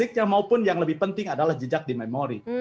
baiknya maupun yang lebih penting adalah jejak di memori